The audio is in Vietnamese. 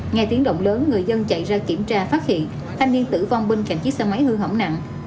nghe tiếng động lớn người dân chạy ra kiểm tra phát hiện thanh niên tử vong bên cạnh chiếc xe máy hư hỏng nặng